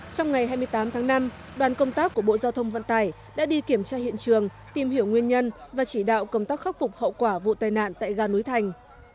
trong ngày hai mươi tám tháng năm đoàn công tác của bộ giao thông vận tải đã đi kiểm tra hiện trường tìm hiểu nguyên nhân và chỉ đạo công tác khắc phục hậu quả vụ tai nạn tại gà núi thành